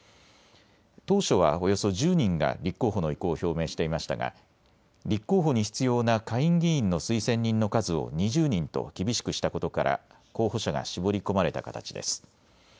当初はおよそ１０人が立候補の意向を表明していましたが、立候補に必要な下院議員の推薦人の数を２０人と厳しくしたことから候補者が絞り込まれた形です。